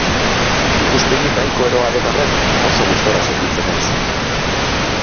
Ikuspegi nahiko eroa den arren, oso gustura sentitzen naiz.